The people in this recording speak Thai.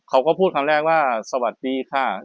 เขาก็พูดคำแรกว่าสวัสดีค่ะ